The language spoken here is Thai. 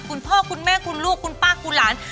คุณพ่อคุณแม่คุณลูกคุณป้าคุณหลาน